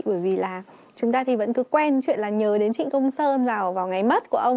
bởi vì chúng ta vẫn cứ quen chuyện nhớ đến trịnh công sơn vào ngày mất của ông